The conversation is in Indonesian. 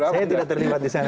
saya tidak terlibat di sana